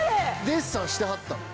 ・デッサンしてはったの？